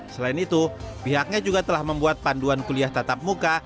selain itu pihaknya juga telah membuat panduan kuliah tatap muka